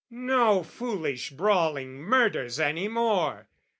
No foolish brawling murders any more!